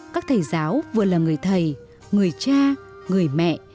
các thầy giáo vừa là người thầy người cha người mẹ